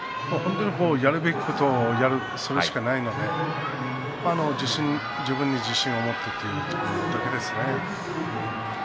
やるべきことをやるそれしかないので自分に自信を持ってというところだけですね。